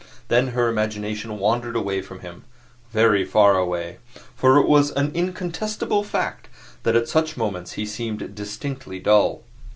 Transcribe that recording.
Then her imagination wandered away from him very far away; for it was an incontestable fact that at such moments he seemed distinctly dull.